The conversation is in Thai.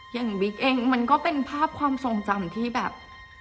บิ๊กเองมันก็เป็นภาพความทรงจำที่แบบ